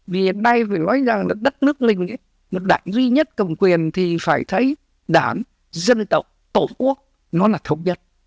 vì đây phải nói rằng là đất nước mình một đảng duy nhất cầm quyền thì phải thấy đảng dân tộc tổ quốc nó là thống nhất